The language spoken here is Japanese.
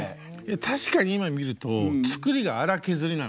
確かに今見ると作りが粗削りなんですよね。